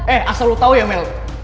eh asal lo tau ya mel